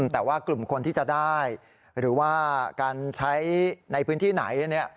แต่ว่ากลุ่มคนที่จะได้หรือว่าการใช้ในพื้นที่ไหน